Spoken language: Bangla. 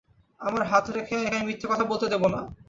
আমার হাতে রেখে একে আমি মিথ্যে কথা বলতে দেব না।